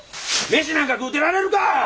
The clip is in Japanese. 飯なんか食うてられるか！